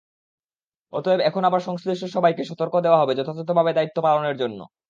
তবে এখন আবার সংশ্লিষ্ট সবাইকে সতর্ক দেওয়া হবে যথাযথভাবে দায়িত্ব পালনের জন্য।